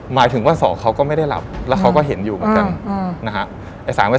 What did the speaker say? หมายถึงว่า๒เขาก็ไม่ได้หลับแล้วเขาก็เห็นอยู่เหมือนกันนะฮะ